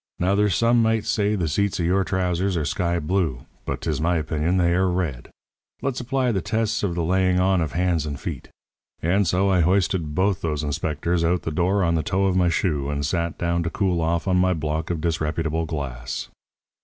Now there's some might say the seats of your trousers are sky blue, but 'tis my opinion they are red. Let's apply the tests of the laying on of hands and feet.' And so I hoisted both those inspectors out the door on the toe of my shoe, and sat down to cool off on my block of disreputable glass.